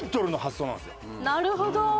なるほど！